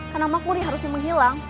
karena makmur yang harusnya menghilang